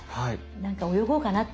何か泳ごうかなって。